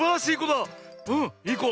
うんいいこ。